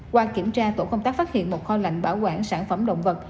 qua kiểm tra tổ công tác phát hiện một kho lạnh bảo quản sản phẩm động vật